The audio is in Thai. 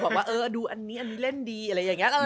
บอกว่าเออดูอันนี้อันนี้เล่นดีอะไรอย่างนี้